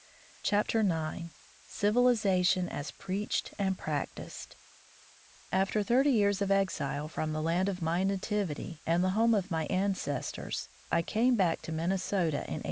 135 IX CIVILIZATION AS PREACHED AND PRACTISED \ FTER thirty years of exile from the ^^ land of my nativity and the home of my ancestors, I came back to Minnesota in 1898.